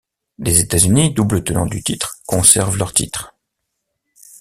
Les États-Unis, doubles tenants du titre conservent leur titre.